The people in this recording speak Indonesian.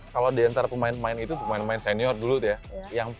kalau diantara pemain pemain itu pemain pemain senior dulu tuh ya